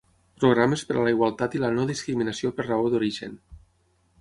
Programes per a la igualtat i la no-discriminació per raó d'origen.